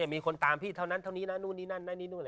มีคนตามพี่เท่านั้นเท่านี้นั้น